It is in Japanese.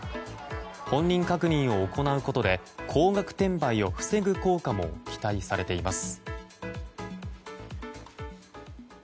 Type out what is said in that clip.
本人確認を行うことで高額転売を防ぐ効果も期待されています。